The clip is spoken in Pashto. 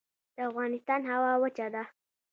د افغانستان هوا وچه ده